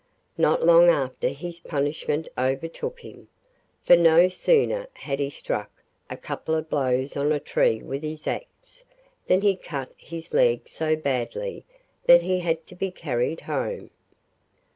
Not long after his punishment overtook him, for no sooner had he struck a couple of blows on a tree with his axe, than he cut his leg so badly that he had to be carried home.